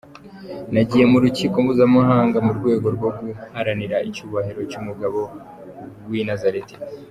Nagiye mu Rukiko Mpuzamahanga mu rwego rwo guharanira icyubahiro cy’umugabo w’Inazareti.